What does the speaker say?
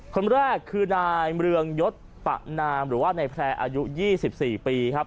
คนแรกคือนายเมืองยศปะนามหรือว่านายแพร่อายุ๒๔ปีครับ